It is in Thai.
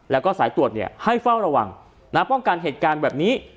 แล้วก็สายตรวจให้เฝ้าระวังป้องกันเหตุการณ์แบบนี้